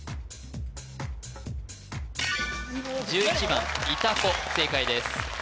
１１番いたこ正解です